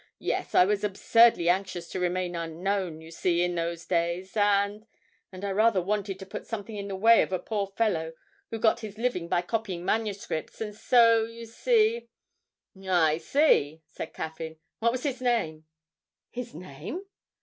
Yes, I was absurdly anxious to remain unknown, you see, in those days, and and I rather wanted to put something in the way of a poor fellow who got his living by copying manuscripts; and so, you see ' 'I see,' said Caffyn. 'What was his name?' 'His name?'